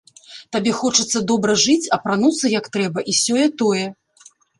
Табе хочацца добра жыць, апрануцца як трэба, і сёе-тое.